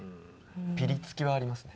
ピリつきはありますね。